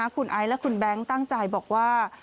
คุณไอซ์และคุณแบงค์ตั้งใจบอกว่า